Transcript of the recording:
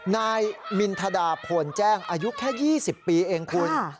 นายมินทดาโพนแจ้งอายุแค่๒๐ปีเองคุณ